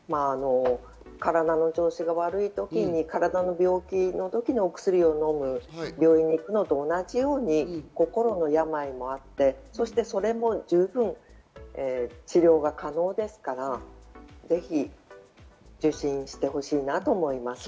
体の調子が悪い時に、体の病気の時のお薬をのむ、病院に行くのと同じように心の病もあって、それも十分治療が可能ですから、ぜひ受診してほしいなと思います。